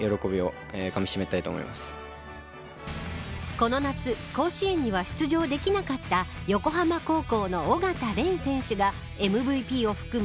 この夏甲子園には出場できなかった横浜高校の緒方漣選手がＭＶＰを含む